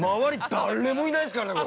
誰もいないですからね。